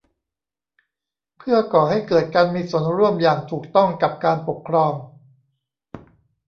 เพื่อก่อให้เกิดการมีส่วนร่วมอย่างถูกต้องกับการปกครอง